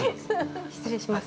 失礼します。